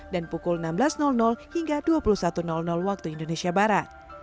dan pukul enam belas hingga dua puluh satu waktu indonesia barat